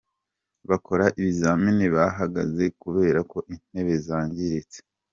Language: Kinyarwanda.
Bakora ibizamini bahagaze kubera ko intebe zangiritse.